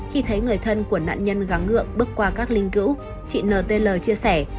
khi thấy người thân của nạn nhân gắng ngượng bước qua các linh cữu chị ntl chia sẻ